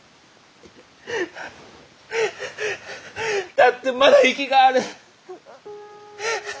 だってまだ息がある！